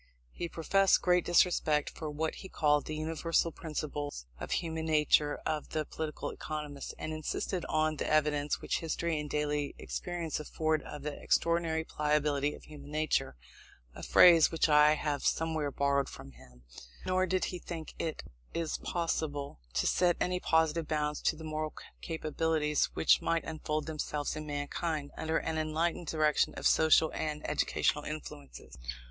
He professed great disrespect for what he called "the universal principles of human nature of the political economists," and insisted on the evidence which history and daily experience afford of the "extraordinary pliability of human nature" (a phrase which I have somewhere borrowed from him); nor did he think it possible to set any positive bounds to the moral capabilities which might unfold themselves in mankind, under an enlightened direction of social and educational influences.